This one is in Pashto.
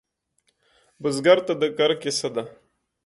بزګر ته د کر کیسه ده